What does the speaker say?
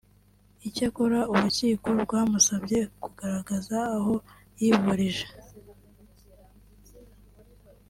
Icyakora urukiko rwamusabye kugaragaza aho yivurije